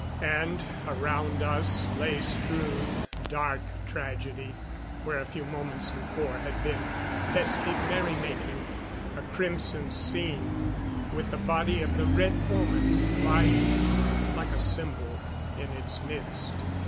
And around us lay strewn stark tragedy where a few moments before had been festive merry making. A crimson scene, with the body of the Red Woman lying like a symbol in its midst....